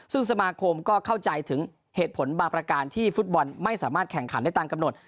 ซึ่งสมาคมก็เข้าใจถึงเหตุผลบางประการที่ฟุตบอลไม่สามารถแข่งขันได้ตามกำหนด